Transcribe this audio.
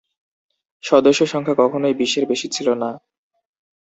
সদস্য সংখ্যা কখনোই বিশের বেশি ছিল না।